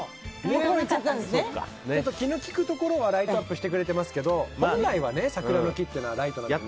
気の利くところはライトアップしてくれてますけど本来はね、桜の木っていうのはライトなんてない。